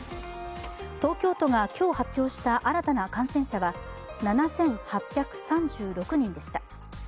東京都が今日発表した新たな感染者は７８３６人でした。